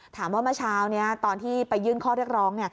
ถามว่าเมื่อเช้าตอนที่ไปยื่นข้อเรียกร้อง